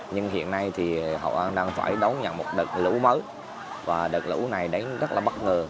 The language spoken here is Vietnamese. nhưng hiện nay thì hậu an đang phải đón nhận một đợt lũ mới và đợt lũ này rất là bất ngờ